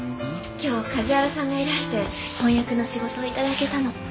今日梶原さんがいらして翻訳の仕事を頂けたの。